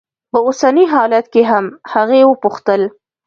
په اوسني حالت کې هم؟ هغې وپوښتل.